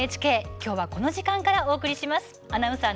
きょうは、この時間からお送りします。